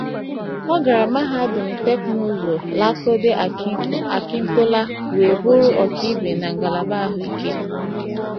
Ọ gara mahadum teknụzụ Ladoke Akintola wee bụrụ ọkaibe na ngalaba ahụike.